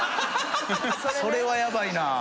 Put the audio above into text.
それはやばいなあ。